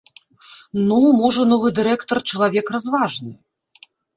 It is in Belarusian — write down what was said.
Ну, можа, новы дырэктар чалавек разважны.